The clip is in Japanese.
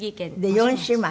で４姉妹？